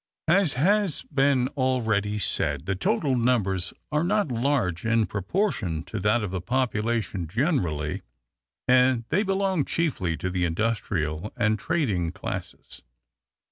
As has been already said, the total numbers are not large in proportion to that of the population generally, and they belong chiefly to the industrial and trading classes.